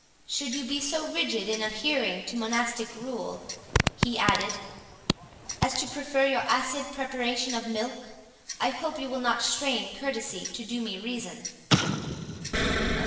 Should you be so rigid in adhering to monastic rule," he added, "as to prefer your acid preparation of milk, I hope you will not strain courtesy to do me reason."